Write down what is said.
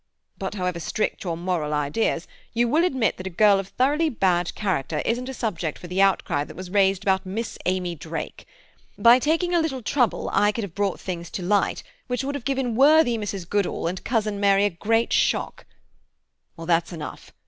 But however strict your moral ideas, you will admit that a girl of thoroughly bad character isn't a subject for the outcry that was raised about Miss Amy Drake. By taking a little trouble I could have brought things to light which would have given worthy Mrs. Goodall and cousin Mary a great shock. Well, that's enough.